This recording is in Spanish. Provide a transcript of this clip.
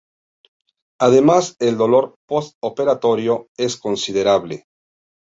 Además, el dolor postoperatorio es considerable.